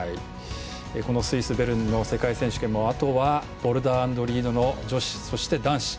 このスイス・ベルンの世界選手権もあとはボルダー＆リードの女子、そして男子。